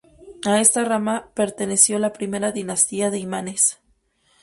A esta rama perteneció la primera dinastía de imanes.